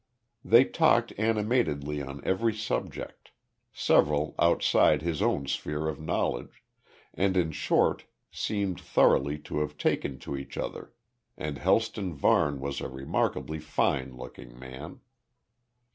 They talked animatedly on every subject, several outside his own sphere of knowledge, and in short, seemed thoroughly to have taken to each other. And Helston Varne was a remarkably fine looking man.